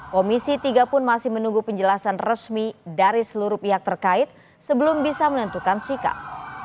komisi tiga pun masih menunggu penjelasan resmi dari seluruh pihak terkait sebelum bisa menentukan sikap